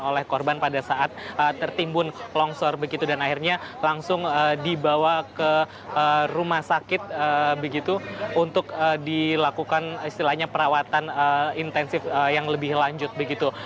oleh korban pada saat tertimbun longsor begitu dan akhirnya langsung dibawa ke rumah sakit begitu untuk dilakukan istilahnya perawatan intensif yang lebih lanjut begitu